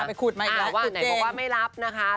ไปขุดมาอีกแล้วขุดเจนอ่าไหนบอกว่าไม่รับนะคะ